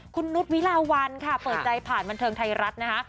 คุณนุษย์วิลาวันค่ะเปิดใจผ่านบันเทิงไทยรัฐนะคะ